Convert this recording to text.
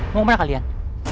mau kemana kalian